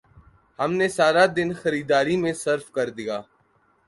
ہم نے سارا دن خریداری میں صرف کر دیا